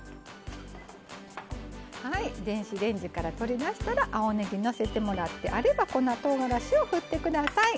電子レンジから取り出したら青ねぎのせてもらってあれば粉とうがらしを振ってください。